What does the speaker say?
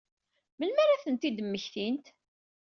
Melmi ara ad tent-id-mmektint?